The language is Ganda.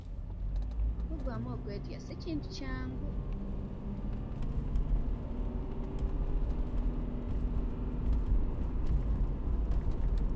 Okuggwaamu okwetya si Kintu kyangu.